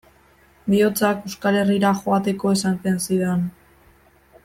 Bihotzak Euskal Herrira joateko esaten zidan.